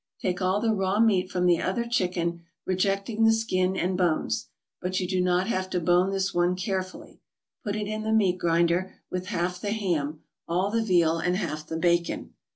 Take all the raw meat from the other chicken, rejecting the skin and bones, but you do not have to bone this one carefully. Put it in the meat grinder, with half the ham, all the veal and half the bacon.